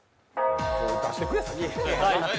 これ、出してくれ、先。